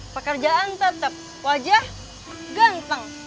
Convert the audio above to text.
pekerjaan tetap wajah ganteng